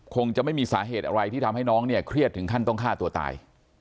คงจะไม่มีสาเหตุอะไรที่ทำให้น้องเนี่ยเครียดถึงขั้นต้องฆ่าตัวตาย